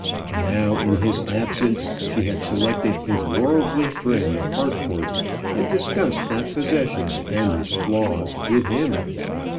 Now, in his absence, she had selected his worldly friend Harcourt, and discussed that possession and its flaws with him!